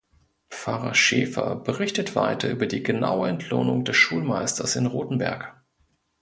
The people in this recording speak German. Pfarrer Schaeffer berichtet weiter über die genaue Entlohnung des Schulmeisters in Rotenberg.